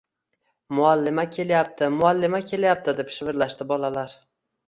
Muallima kelyapti, muallima kelyapti, – deb shivirlashdi bolalar.